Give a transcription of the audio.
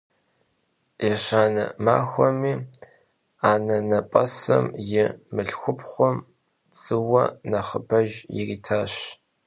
Yêşane maxuemi anenep'esım yi mılhxupxhum tsıue nexhıbejj yiritaş.